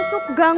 mari kak kang